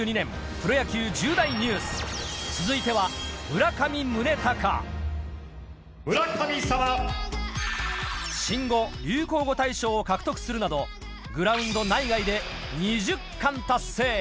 プロ野球重大ニュース続いては・「村神様」・を獲得するなどグラウンド内外で２０冠達成